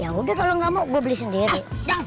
ya udah kalo gak mau gua beli sendiri